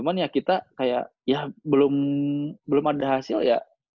cuman ya kita kayak ya belum ada hasil ya